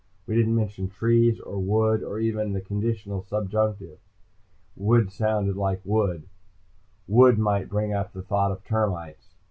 We didn't mention trees, or wood, or even the conditional subjunctive. Would sounded like wood. Wood might bring up the thought of termites.